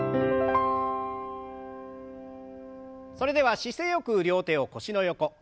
それでは姿勢よく両手を腰の横。